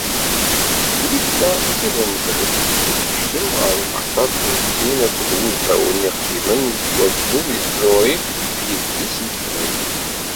Segmi tella d tilemẓit i tekcem ɣer umaṭtaf wis sin akked wudmawen iqdimen yettwassnen deg tẓuri d yidles n teqbaylit.